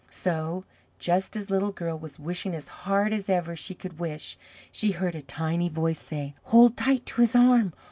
So, just as Little Girl was wishing as hard as ever she could wish, she heard a Tiny Voice say, "Hold tight to his arm!